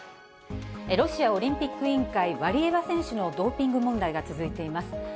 ロシアオリンピック委員会、ワリエワ選手のドーピング問題が続いています。